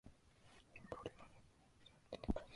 なぜ人間にとって早寝早起きは大事なのか。